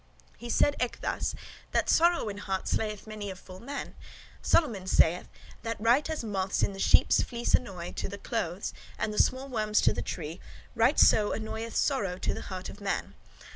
He said eke thus, 'that sorrow in heart slayth full many a man.' Solomon saith 'that right as moths in the sheep's fleece annoy [do injury] to the clothes, and the small worms to the tree, right so annoyeth sorrow to the heart of man.